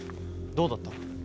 どうだった？